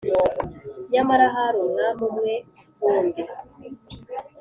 nyamara hari Umwami umwe rukumbi